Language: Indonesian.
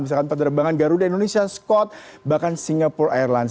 misalkan penerbangan garuda indonesia scott bahkan singapore airlines